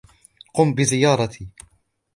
قم بزيارتي